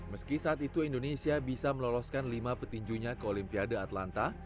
meski saat itu indonesia bisa meloloskan lima petinjunya ke olimpiade atlanta